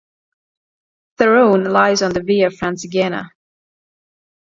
Therouanne lies on the Via Francigena.